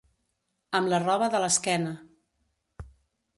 Amb la roba de l'esquena.